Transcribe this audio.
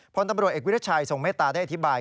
พันธุ์ตำรวจเอกวิทยสไชยทรงเมตรได้อธิบาย